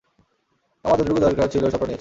আমার যতটুকু দরকার ছিলো সবটা নিয়েছি।